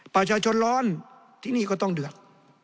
ประชาชนร้อนที่นี่ก็ต้องเดือด